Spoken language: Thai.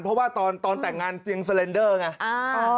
เพราะว่าตอนแต่งงานเตียงสเลนเดอร์ไง